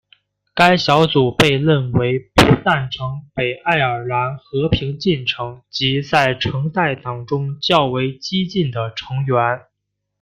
该小组被认为不赞成北爱尔兰和平进程及在橙带党中较为激进的成员。